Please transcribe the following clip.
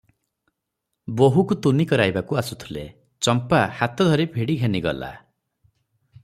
ବୋହୂକୁ ତୁନି କରାଇବାକୁ ଆସୁଥିଲେ, ଚମ୍ପା ହାତ ଧରି ଭିଡ଼ି ଘେନିଗଲା ।